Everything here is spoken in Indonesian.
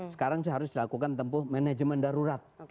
sekarang harus dilakukan tempuh manajemen darurat